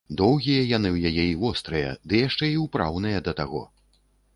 Доўгія яны ў яе і вострыя, ды яшчэ і ўпраўныя да таго.